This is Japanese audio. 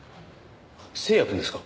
星也くんですか？